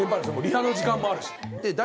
リハの時間もあるし。